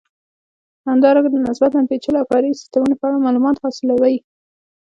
همدارنګه د نسبتا پېچلو او فرعي سیسټمونو په اړه معلومات حاصلوئ.